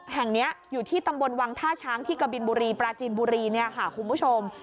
แห่งนี้อยู่ที่ตำบลวังท่าช้างที่กะบินบุรีปราจีนบุรีเนี่ยค่ะคุณผู้ชม